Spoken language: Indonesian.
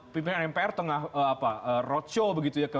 pimpinan mpr tengah roadshow begitu ya